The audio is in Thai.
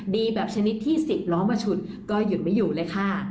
ดีแบบชนิดที่๑๐ล้อมาฉุดก็หยุดไม่อยู่เลยค่ะ